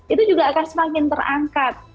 itu juga akan semakin terangkat